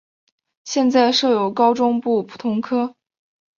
现在设有高中部普通科。